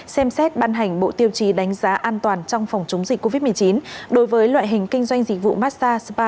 xem xét ban hành bộ tiêu chí đánh giá an toàn trong phòng chống dịch covid một mươi chín